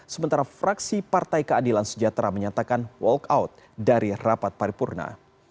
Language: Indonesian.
sementara fraksi partai keadilan sejahtera menyatakan walk out dari rapat paripurna